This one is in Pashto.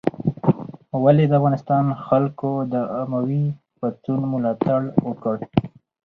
ولې د افغانستان خلکو د اموي پاڅون ملاتړ وکړ؟